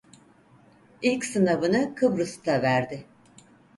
İlk sınavını Kıbrıs'ta verdi.